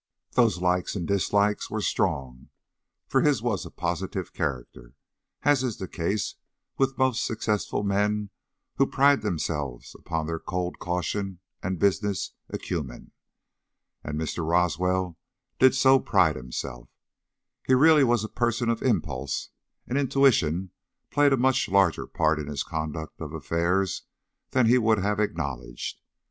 Those likes and dislikes were strong, for his was a positive character. As is the case with most successful men who pride themselves upon their cold caution and business acumen and Mr. Roswell did so pride himself he really was a person of impulse, and intuition played a much larger part in his conduct of affairs than he would have acknowledged.